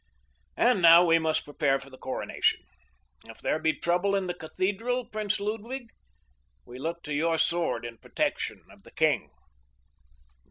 And now we must prepare for the coronation. If there be trouble in the cathedral, Prince Ludwig, we look to your sword in protection of the king."